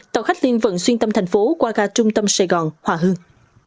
tàu khách liên vận xuyên tâm thành phố qua ga trung tâm sài gòn hòa hưng